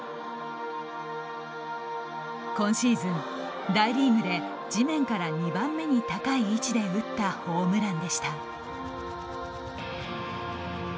今シーズン大リーグで地面から２番目に高い位置で打ったホームランでした。